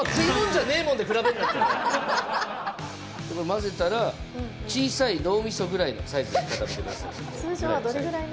混ぜたら小さい脳みそぐらいのサイズに固めてください